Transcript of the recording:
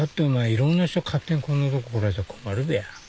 いろんな人勝手にこんなとこ来られたら困るべや。